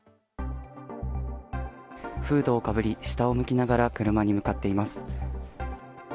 フードをかぶり下を向きながら車に向かっています。